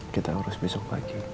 kita urus besok pagi